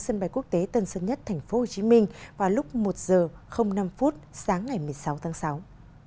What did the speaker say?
sân bay quốc tế tân sơn nhất tp hcm vào lúc một h năm sáng ngày một mươi sáu tháng sáu